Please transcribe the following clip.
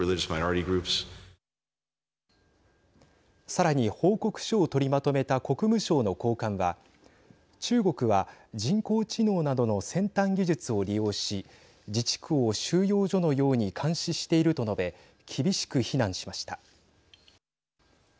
さらに報告書を取りまとめた国務省の高官は中国は人工知能などの先端技術を利用し自治区を収容所のように監視していると述べ厳しく非難しました。